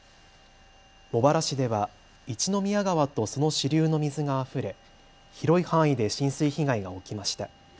茂原市では一宮川とその支流の水があふれ広い範囲で浸水被害が起きました。